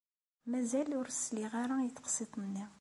Mazal ur as-sliɣ ara i teqsiḍt-nni.